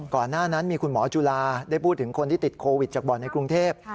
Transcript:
หน้านั้นมีคุณหมอจุฬาได้พูดถึงคนที่ติดโควิดจากบ่อนในกรุงเทพ